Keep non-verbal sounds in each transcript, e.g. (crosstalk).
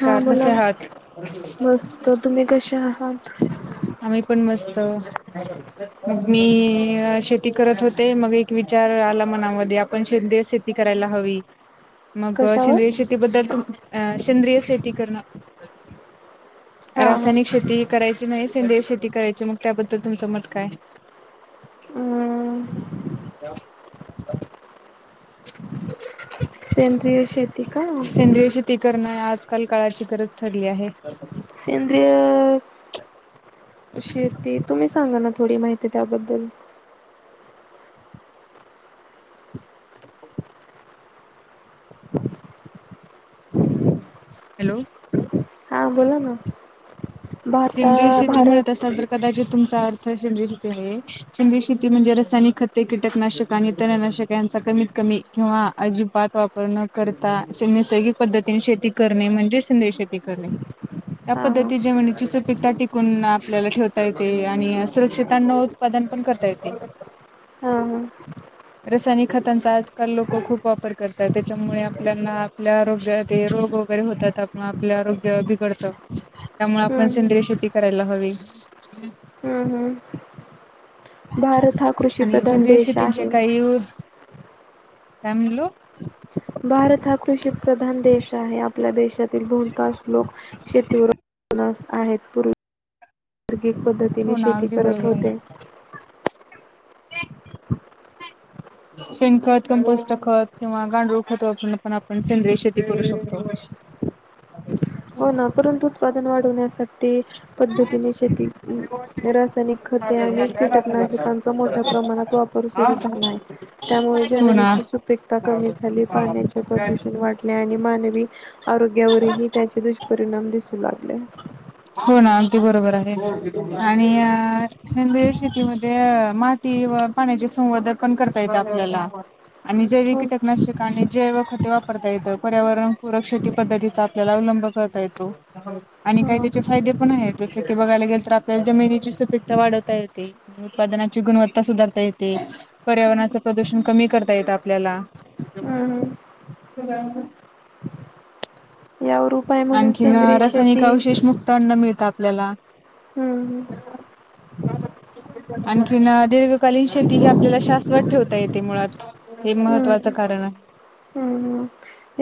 हा कसे मला आहात मस्त तुम्ही कशे आहात? आम्ही पण मस्त हो. मग मीय शेती करत होते मग एक विचार आला मनामध्ये आपण शिंदे से ती करायला हवी. मग कशावर शेंद्रिय शेतीबद्दल तुम अ शेंद्रिय शेती करणं हा हा रासायनिक शेती करायची नाही सशेंद्रीय शेती करायची मग त्याबद्दल तुमचं मत काय? अ (unintelligible) सेंद्रिय शेती का? ती करणं आजकाल काळाची गरज ठरली आहे. सेंद्रिय शेती तुम्ही सांगा ना थोडी माहिती त्याबद्दल. हॅलो हा बोला ना भारता सेंद्रिय शेती मिळत भारत असेल तर कदाचित तुमचा अर्थ शेंद्रिय शेती आहे शिंदी शेती म्हणजे रासायनिक खते, कीटकनाशक आणि इतऱ्या नाशक यांचं कमीत कमी किंवा अजिबात वापर न करता शे नैसर्गिक पद्धतीने शेती करणे म्हणजे शिंद्रेय शेती करणे. या हा हा हा पद्धती जिवणीची सुपिता टिकून आपल्याला ठेवता येते आणि अ सुरक्षितांना उत्पादन पण करता येते. हां हां. ह रसायनिक खतांचा आजकाल लोकं खूप वापर करताय त्याच्यामुळे आपल्यांनं आपल्या आरोग्या ते रोग वगैरे होतात. त्याप म आपल्य आरोग्य बिगडतं. त्यामुळे आपण हम्म सेंद्रिय शेती करायला हवी. हम्म हम्म. भारत हा आणि कृषीप्रधान शेंद्रिय देश शेतींची आहे काही उ काय म्हणलो? भारत हा कृषी प्रधान देश आहे आपल्या देशातील बहुतांश लोक शेतीवर अवलंबून आहेत. पूर्वी (unintelligible) नैसर्गिक हो पद्धतीने शेती करत होते. ह (unintelligible) शेणखत, कंपोस्ट खत, किंवा गांडूळ खत वापरुन पण आपण सेंद्रिय शेती करू शकतो. हो ना परंतु उत्पादन वाढवण्यासा ठी. पद्धतीने शेती रासायनिक खते आणि कीटकनाशकांनचा मोठ्या प्रमाणात वापर सुरू झालाय. त्यामुळे हो ना जमिनीची सुपीकता कमी झाली. पाण्याची प्रदूषण वाटले. आणि मानवी आरोग्यावरही त्याचे दुष्परिणाम दिसू लागले. हो ना. अगदी बरोबर आहे. आणि सेंद्रिय शेतीमध्ये मा तीवर पाण्याचे संवादन पण करता येते आपल्याला. आणि जैविक हो कीटकनाशक आणी जैव खते वापरता येतं. पर्यावरणपूरक शेती पद्धतीचा आपल्याला अवलंब करता येतो. आणि हो ना. का फायदे पण आहे. जस की बघायला गेल तर आपल्याला जमिनीची सुपिकता वाढवता येते. उत्पादनाची गुणवत्ता सुधारता येते. पर्यावरणाच प्रदूषण कमी करता येत आपल्याला. हम्म यावर उपाय म्हणून आणखीन सेंद्रिय रासायनिक शेती अवशेष मुक्त अन्न मिळतं आपल्याला. हम्म हम्म. आणखीन दीर्घकालीन शेती ही आपल्याला शाशवत ठेवता येते मुळात. हे महत्त्वाचं कारण आहे. हम्म हम्म.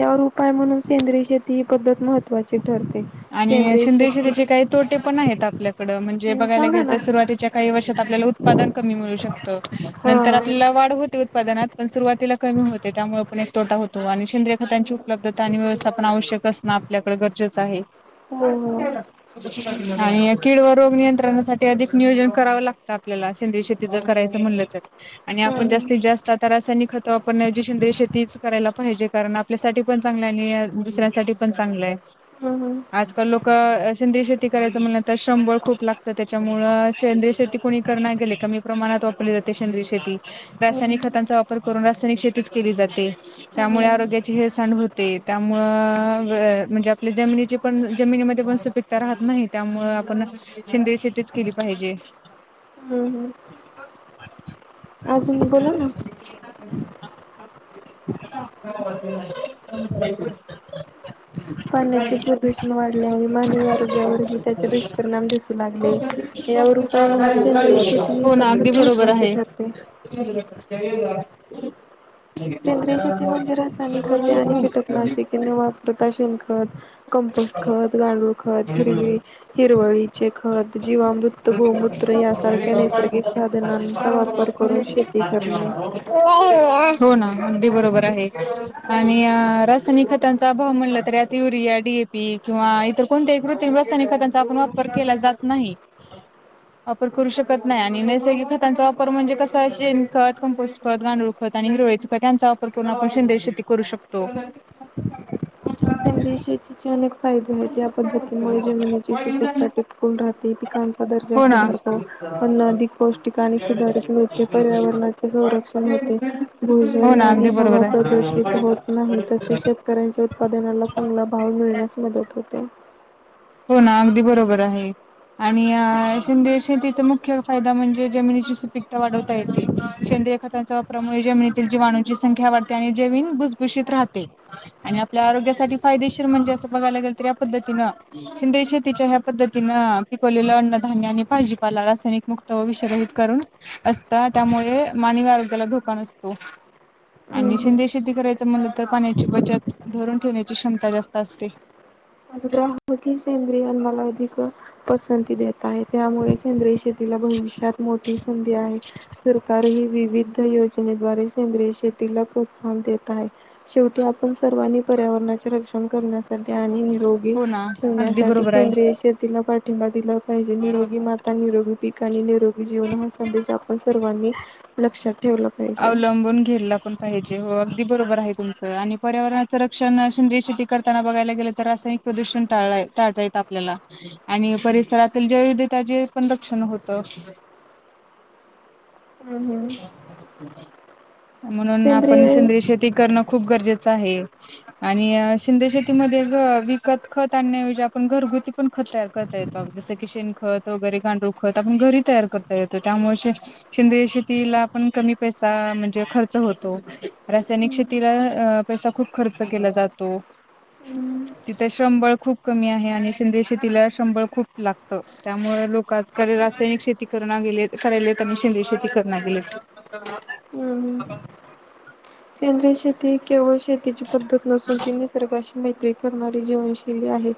यावर उपाय म्हणून सेंद्रिय शेती ही पद्धत महत्त्वाची ठरते. आणि सेंद्रिय शेतीचे काही तोटे पण आहेत. आपल्याकडे म्हणजे हम्म, बघायला सांगा गेल ना. तर सुरुवातीच्या काही वर्षात आपल्याला उत्पादन कमी मिळू शकतं. हा नंतर आपल्याला वाढ होते होत उत्पादनात. पण सुरुवातीला कमी होते. त्यामुळे पण एक तोटा होतो. आणि शंद्रीय खतांची उपलब्धता आणि व्यवस्था पण आवश्यक कसणं आपल्याकडे गरजेचं आहे. हो हो. आणि किड व रोग नियंत्रणासाठी अधिक नियोजन करावं लागतं आपल्याला. सेंद्रिय शेत ति जर करायचं म्हणलं तर. आणि आपण हम्म जास्तीत जास्त आता रासायनिक खतं वापरण्याऐवजी सेंद्रिय शेतीच करायला पाहिजे. कारण आ पल्यासाठी पण चांगलय आणि दुसऱ्यांसाठी पण चांगलंय. हम्म आजकाल लोक सेंद्रिय शेती करायचं म्हणलं तर, श्रमबळ खूप लागतं त्याच्यामुळं सेंद्रिय शेती कोणी करणा गेले. कमी प्रमाणात वापरली जाते शेंद्री शेती. रासायनिक हम्म खतांचा वापर करून, रासायनिक शेतीच केली जाते. त्यामुळे हम्म आरोग्याची हेळसांड होते. त्यामु अ म्हणजे आपल्या जमनी ची पण जमिनीमध्ये पण सुपिकता राहत नाही. त्यामुळे आपण सेंद्रिय शेतीच केली पाहिजे. हम्म हम्म. (inaudible) (inaudible) पाण्याची प्रदु न वाढले. आणि मानवी आरोग्यावरही त्याचे दुष्परिणाम दिसू लागले. यावर उ पाय म्हणून सेंद्रीय शेती ही हो ना अगदी पद्धत बरोबर महत्त्वाची आहे ठरते. (inaudible) सेंद्रिय शेती म्हणजे रासायनिक खते आणि कीटकनाशके न वापरता. शेणखत कंपोस्ट खत. गांडूळ खत. हिरवी हिरवळीचे खत. जीवामृत गोमूत्र यासारख्या नैसर्गिक साधनांचा वापर करून शेती करणे. (unintelligible) हो ना, अदी बरोबर आहे. आणि रासायनिक खतांचा भाव म्हणला तर अति डी, ए, पी. किंवा इतर कोणत्याही कृतिम रासायनिक खतांचा वापर केला जात नाही. (inaudible) वापर करू शकत नाय आणि नैसर्गिक खतांचा वापर म्हणजे कसय शेण खत, कमंपोस्ट खत, गांडूळ खत आणि रोई त्यांचा वापर करून आपण सेंद्रिय शेती करू शकतो. सेंद्रिय शेतीची अनेक फायदे आहेत. या पद्धतीमुळे जमिनीची सुपीकता टिपकून राहते. पिकांचा दर्जा हो ना. सुधार अन्न अधिक पौष्टिक आणि सुधारक मिळते. पर्यावरणाचे संरक्षण होते. हो भूजल ना आणि अगदी हवा बरोबर प्रदूषित होत नाही. तसे आहे. शेत शेतकऱ्यांच्या उत्पादनाला चांगला भाव मिळण्यास मदत होते. हो ना, अगदी बरोबर आहे. आणि शेंद्रीय शेतीचा मुख्य फायदा म्हणजे जमिनीची सुपीकता वाढवता येेते. शेंद्रीय खतांच्या वापरामुळे जमिनीतील जीवाणूंची संख्या वाढते आणि जमीन भुसभूशीत राहते. आणि आपल्या आरोग्यासाठी फायदेशीर म्हणजे असं बघायला गेल तर या पद्धतीनं शेंद्रीय शेतीच्या ह्या पद्धतीनं, पिकवलेलं अन्न -धान्य आणि भाजीपाला रासायनिक मुक्त विषरहित करून असता. त्यामुळे मानवी आरोग्याला धोका नसतो. आणि हम्म. शेंद्रीय शेती करायचं म्हटलं तर पाण्याची बचत धरून ठेवण्याची क्षमता जास्त असते. (unintelligible) आज ग्राहक ही सेंद्रिय मालाला अधिक, पसंती देत आहे. त्यामुळे सेंद्रिय शेत तिला भविष्यात मोठी संधी आहे. सरकार ही विविध योज जने द्वारे सेंद्रिय शेतीला प्रोत्साहन देत. त आहे. शेवटी आपण सर्वांनी पर्यावरणाचे रक्षण करण्यासाठी आणि निरो हो ना अगदी ठेवण्यासाठी बरोबर आहे. सेंद्रीय शेतीला पाठिंबा दिला पाहिजे. निरोगी माता, निरोगी पिक आणि निरोगी जीवन हा संदेश आप ण सर्वांनी लक्षात ठेवला. पाहिजे. अवलंबून घेरला पण पाहिजे. हो अगदी बरोबर आहे तुमचं आणि पर्यावरणाचं रक्षण सेंद्रिय शेती करताना बघायला गेलं तर रासायनिक प्रदूषण टाळलाय, टाळता येत आपल्याला. आणि परिसरातील जै-विविधताचे पण रक्षण होतं. हम्म हम्म म्हणून आपण सेंद्रिय शेती करणं खूप गरजेचं आहे. आणि सेंद्रिय शेतीमध्ये ग, विकत खत आणण्याऐवजी आपण घरगुती पण खत तयार करतो. जस की शेण खत वगैरे गांडुळ खत आपण घरी तयार करता येतो. त्यामुळे शेंद्रीय शेत ला. पण कमी पैसा म्हणजे खर्च होतो. रासायनिक हम्म शेतीला पैसा खूप खर्च केला जातो. हम्म. तिथे श्रमबळ खूप कमी आहे. आणि सेंद्रिय शेतीला श्रीमबळ खूप लागतं. त्यामुळे लोक आज तरी रासायनिक शेती करण गेले, करायलेत सेंद्रिय शेती करण गेलेत. हम्म सेंद्रिय शेती केवळ शेतीची पद्धत नसून ती निसर्गाशी मैत्री करणारी जीवनशैली आहे.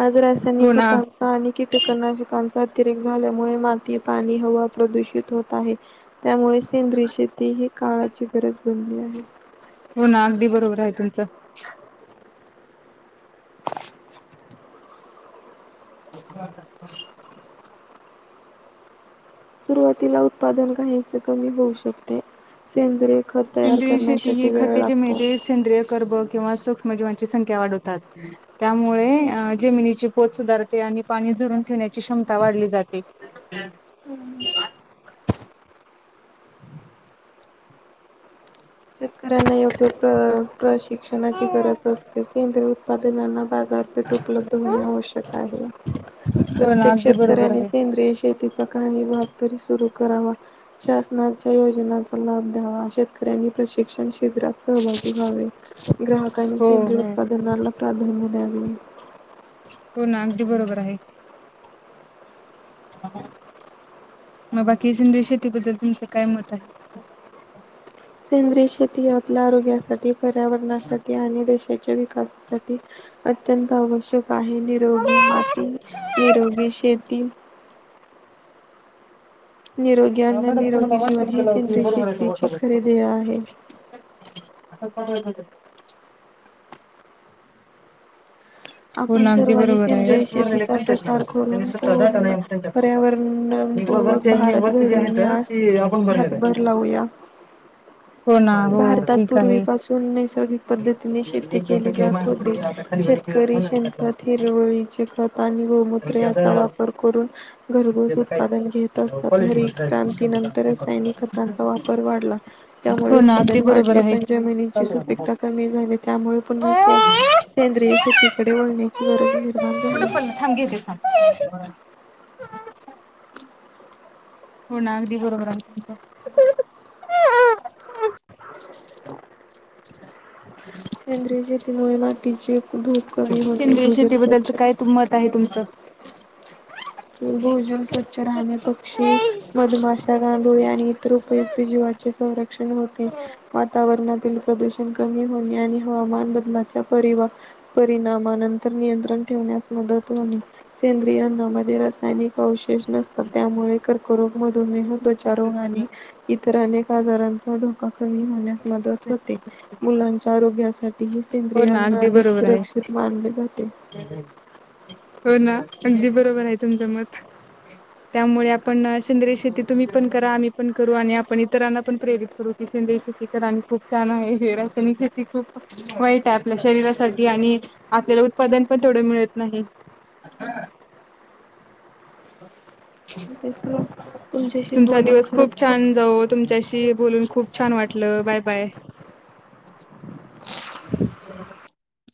आज रासायनिक हो ना खतांचा आणि कीटकनाशकांचा अतिरेक झाल्यामुळे माती, पाणी, हवा प्रदूषित होत आहे. त्यामुळे सेंद्रीय शेती ही काळाची गरज बनली आहे. हो ना अगदी बरोबर आहे तुमचं. (unintelligible) सुरुवातीला उत्पादन घाहीच कमी होऊ शकते. सेंद्रिय खत तयार सेंद्रिय शेती ही करण्यासाठी वेळ खतेज लागतो. मिळते सेंद्रिय कर्भ किंवा सूक्ष्म जीवांची संख्या वाढवतात. त्यामुळे अ जमिनीचे पोत सुधारते आणि पाणी जुरून ठेवण्याची क्षमता वाढली जाते. (unintelligible) शेतकऱ्यांना योग्य प्र प्रशिक्षणाची गरज असते सेंद्रिय उत्पादनांना बाजार पिटुकलं (unintelligible) होणे आवश्यक आहे हो ना प्रत्येक अगदी बरोबर शेतकऱ्याने आहे. सेंद्रिय शेती प्रकाई भातं तरी सुरू करावा. शासनाच्या योजनाचा लाभ द्यावा. शेतकऱ्यांनी प्रशि शिक्षण शिबिरात सहभागी व्हावे. ग्राहकांनी हो सेंद्रीय हो उत्पादनाना प्राधान्य द्यावे. हो ना अगदी बरोबर आहे. म बाकी सेंद्रिय शेतीबद्दल तुमचं काय मत आहे. सेंद्रिय शेती ही आपल्या आरोग्यासाठी पर्यावरणासाठी आणि देशाच्या विकासासा ठी अत्यंत आवश्यक आहे निरोगी माती, निरोगी शेती निरोगी आणि निरोगी जीवन हे सेंद्रीय शेतीचे खरे ध्येय आहे. (unintelligible) असंच पाठव (unintelligible) हो आपण ना अगदी सर्वांनी बरोबर आहे सेंद्रिय शेतीचा प्रसार करून पूर्ण (unintelligible) (unintelligible) वर्क पर्यावरणपूर्वक त्यांनी भारत वर्क जी आहेत घडवण्यास ती आपण भरलेलेय. हातभार लावूया. हो ना हो भारतात ठीक आहे. पूर्वीपासून नैसर्गिक पद्धतीने शेती (unintelligible) केली जात होती. त्या खाली शेतकरी शेणखत हिरवळीचे खत आणि गोमूत्र याचा वापर करून भरगोस उत्पादन घेत असतात. हरतिक्रांती नंतर रसायनिक खतांचा वापर वाढला. त्यामुळे हो ना अगदी उत्पादन बरोबर वाढले आहे. पण जमिनीची सुपीकता कमी झाली त्यामुळे पुन्हा (unintelligible) सेंद्रिय शेतीकडे वळण्याची गरज निर्माण झाल कुठं पडल थांब घेते थांब हो ना अगदी बरोबर आहे तुमच सेंद्रिय शेतीमुळे मातीचे धूप कमी बाकी होते, सेंद्रिय भोजन शेतीबद्दल तर स्वच्छ काय मत आहे तुमचं भोजन स्वच्छ राहणे पक्षी, मधमाशा, गांडूळे आणि इतर उपयुक्त जीव चे संरक्षण होते. वातावरणातील प्रदूषण कमी होणे आणि हवामान बदलाचा परिवा परिणामानंतर नियंत्रण ठेवण्यास मदत होणे सेंद्रिय ना (unintelligible) हे रासायनिक अवशेष नसतात, त्यामुळे कर्करोग, मधुमेह त्वचा रोहानी इतर अनेक आजारांचा धोका कमी होण्यास मदत होते. मुलांच्या आरोग्यासा ते ही हो ना सेंद्रियांना अगदी अधिक बरोबर आहे सुरक्षित मानले जाते. (inaudible) हो ना अगदी बरोबर हाय तुमचं मत त्यामुळे आपण सेंद्रय शेती तुम्ही पण करा आम्ही पण करू आणि आपण इतरांना पण प्रेरित करू की सेंद्रीय शेत ती करा आणि खूप छान आहे हे रासायनिक शेती खूप वाईट हाय आपल्या शरीरासाठी आणि आपल्याला उत्पादन पण तेवढं मिळत नाही. (unintelligible) तुमच्याशी तुमचा बोलून दिवस खरंच खूप छान जावोत. तुमच्याशी बोलून खूप छान वाटलं बाय बाय.